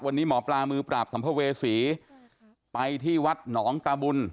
วันนี้หมอปลามือปราบสัมภเวษีไปที่วัดหนองตาบุญ